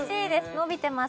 伸びてます